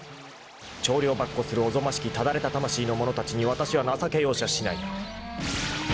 ［跳梁跋扈するおぞましきただれた魂の者たちにわたしは情け容赦しない］